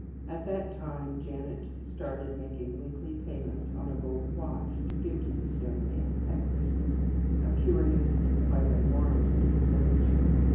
At that time Janet started making weekly payments on a gold watch to give to this young man at Christmas, a curious and quite unwarranted expenditure.